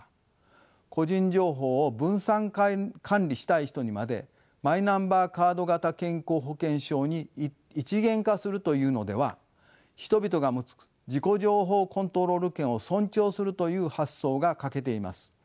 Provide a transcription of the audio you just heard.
個人情報を分散管理したい人にまでマイナンバーカード型健康保険証に一元化するというのでは人々が持つ自己情報コントロール権を尊重するという発想が欠けています。